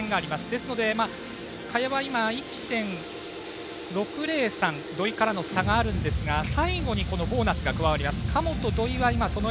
ですので、萱は今１．６０３土井からの差があるんですが最後にこのボーナスが加わります。